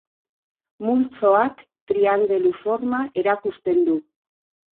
Multzoak triangelu forma erakusten du.